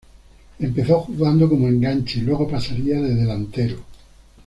Empezó jugando como enganche y luego pasaría de delantero.